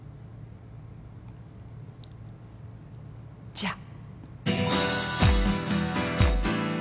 じゃあ。